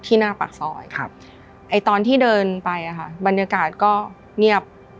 หน้าปากซอยตอนที่เดินไปอ่ะค่ะบรรยากาศก็เงียบ